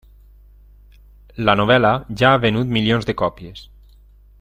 La novel·la ja ha venut milions de còpies.